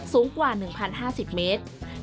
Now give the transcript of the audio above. สูงกว่า๑๐๕๐เมตร